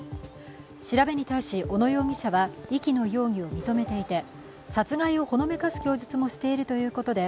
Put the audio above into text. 調べに対し小野容疑者は、遺棄の容疑を認めていて、殺害をほのめかす供述もしているということで